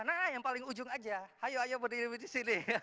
nah yang paling ujung aja ayo ayo berdiri di sini